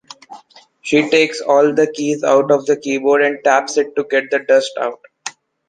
She takes all the keys out of the keyboard and taps it to get the dust out.